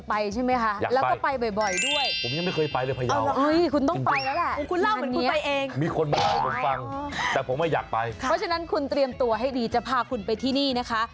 ไปดูค่ะนี่ไงนี่ไงคะ